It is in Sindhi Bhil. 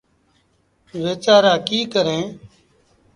ويچآرآ ڪيٚ ڪريݩ۔